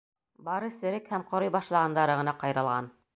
Бары серек һәм ҡорой башлағандары ғына ҡыйралған.